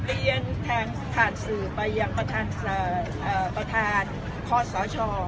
เราก็กลับเรียนทางสื่อไปยังประธานประธานคอสสช